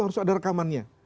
harus ada rekamannya